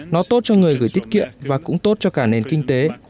nó tốt cho người gửi tiết kiệm và cũng tốt cho cả nền kinh tế